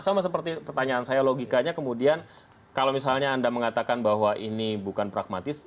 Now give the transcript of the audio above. sama seperti pertanyaan saya logikanya kemudian kalau misalnya anda mengatakan bahwa ini bukan pragmatis